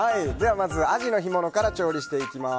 まず、アジの干物から調理していきます。